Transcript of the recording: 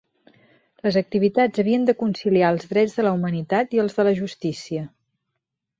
Les activitats havien de conciliar els drets de la humanitat i els de la justícia.